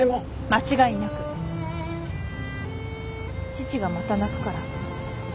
間違いなく父がまた泣くから。